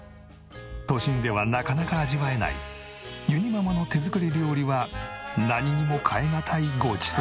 都心ではなかなか味わえないゆにママの手作り料理は何にも代えがたいごちそう。